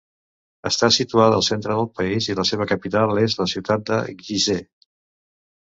Està situada al centre del país i la seva capital és la ciutat de Gizeh.